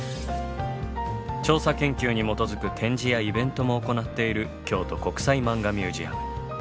調査研究に基づく展示やイベントも行っている京都国際マンガミュージアム。